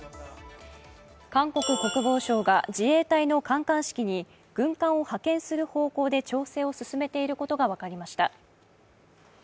韓国国防省が自衛隊の観艦式に軍艦を派遣する方向で調整を進めていることが分かりました。